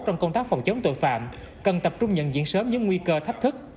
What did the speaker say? trong công tác phòng chống tội phạm cần tập trung nhận diễn sớm những nguy cơ thách thức